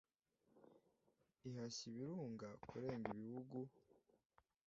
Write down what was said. Ihashya ibirunga kurenga ibihugu